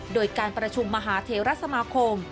โดยการประชุมมหาเทราสมาคม